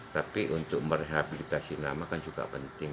tapi untuk merehabilitasi nama kan juga penting